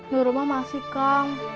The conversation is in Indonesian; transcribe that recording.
nurmah masih kang